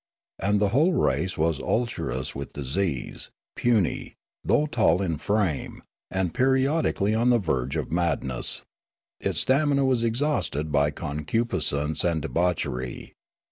And the whole race was ulcerous with disease, puny, though tall in frame, and periodically on the verge of madness. Its 1 68 Riallaro stamina was exhausted by concupiscence and debauch ery.